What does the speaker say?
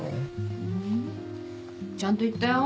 ちゃんと言ったよ。